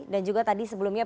dan juga tadi sebelumnya